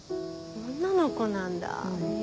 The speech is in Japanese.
女の子なんだへぇ。